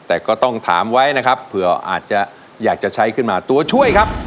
แต่ก็ต้องถามไว้นะครับเผื่ออาจจะอยากจะใช้ขึ้นมาตัวช่วยครับ